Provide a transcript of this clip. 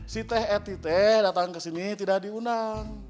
si teh eh tih teh datang ke sini tidak diundang